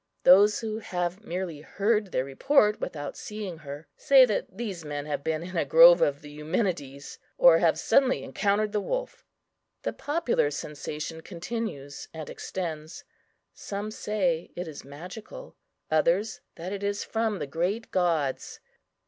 Those who have merely heard their report without seeing her, say that these men have been in a grove of the Eumenides, or have suddenly encountered the wolf. The popular sensation continues and extends; some say it is magical, others that it is from the great gods.